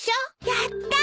やった！